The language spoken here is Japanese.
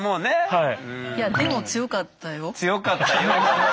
はい。